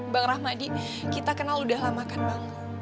bang rahmadi kita kenal udah lama kan bang